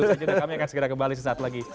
udah kami akan segera kembali sesaat lagi